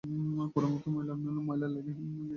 পুরো মুখে ময়লা লেগে গিয়েছিল।